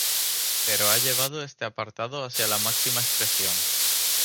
Pero ha llevado este apartado hacia la máxima expresión.